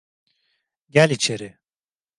Gel içeri.